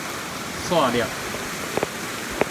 線跡